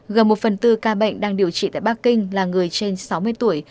gần một phần tư ca bệnh đang điều trị tại bắc kinh là người trên sáu mươi tuổi